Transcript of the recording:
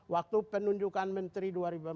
waktu penunjukan menteri dua ribu empat belas